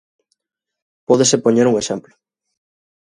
Pódese poñer un exemplo.